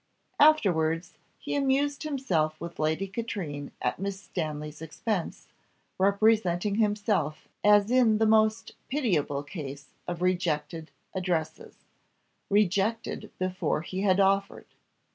Afterwards he amused himself with Lady Katrine at Miss Stanley's expense, representing himself as in the most pitiable case of Rejected Addresses rejected before he had offered.